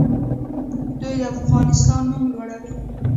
دوی د افغانستان نوم لوړوي.